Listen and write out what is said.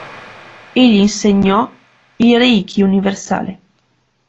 Egli insegnò il Reiki Universale.